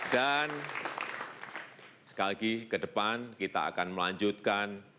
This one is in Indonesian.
dan sekali lagi kedepan kita akan melanjutkan